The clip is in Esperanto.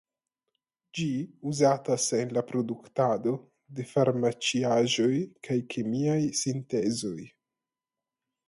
Ĝi uzatas en la produktado de farmarciaĵoj kaj kemiaj sintezoj.